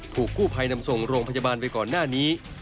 ถูกกู้ภัยนำส่งโรงพยาบาลไปก่อนหน้านี้